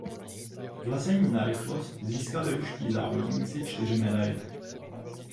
V lezení na rychlost získali ruští závodníci čtyři medaile.